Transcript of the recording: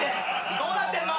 どうなってんの！？